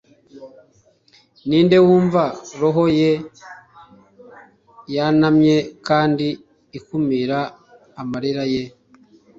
ninde wumva roho ye yunamye kandi ikumira amarira ye